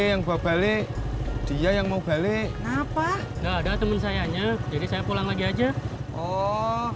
yang bawa balik dia yang mau balik kenapa enggak ada temen sayanya jadi saya pulang lagi aja oh